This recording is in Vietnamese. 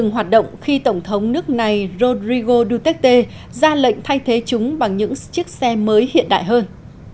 hoạt động khi tổng thống nước này rodrigo duterte ra lệnh thay thế chúng bằng những chiếc xe mới hiện đại hơn